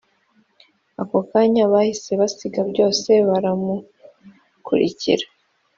” ako kanya bahise basiga byose baramukurikira